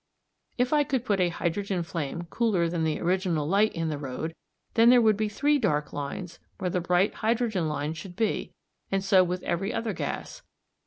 If I could put a hydrogen flame cooler than the original light in the road, then there would be three dark lines where the bright hydrogen lines should be, and so with every other gas.